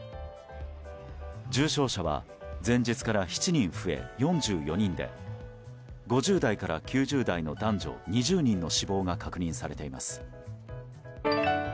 重症者は前日から７人増え４４人で５０代から９０代の男女２０人の死亡が確認されています。